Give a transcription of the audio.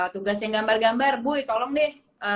tugasnya gambar gambar bu tolong deh